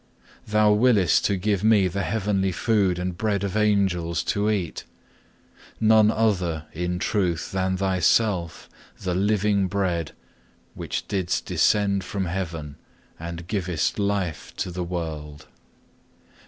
Thou willest to give me the heavenly food and bread of angels to eat; none other, in truth, than Thyself, The living bread, which didst descend from heaven; and givest life to the world.